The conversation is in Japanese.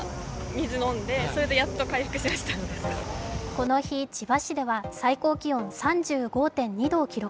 この日、千葉市では最高気温３５．２度を記録。